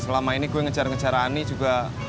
selama ini gue ngejar ngejar ani juga